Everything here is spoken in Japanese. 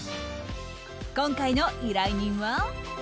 今回の依頼人は。